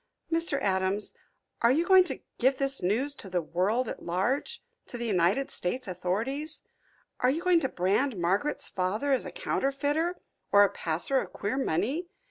"Mr. Adams, are you going to give this news to the world at large to the United States authorities are you going to brand Margaret's father as a counterfeiter, or a passer of queer money?